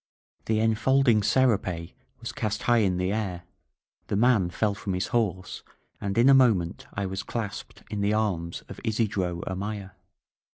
The en folding serape was cast high in the air, the man fell from his horse, and in a moment I was clasped in the arms of Isidro Amaya.